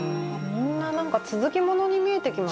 みんななんか続きものに見えてきましたね。